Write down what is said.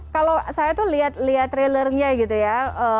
kalau saya tuh lihat lihat trailernya gitu ya